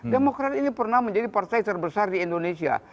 demokrat ini pernah menjadi partai terbesar di indonesia